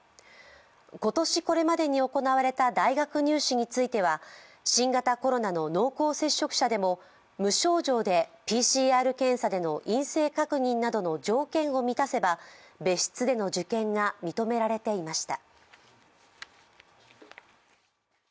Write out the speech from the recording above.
今年、これまでに行われた大学入試については、新型コロナの濃厚接触者でも無症状でＰＣＲ検査での陰性確認などの条件を満たせば別室での受験が認められていました。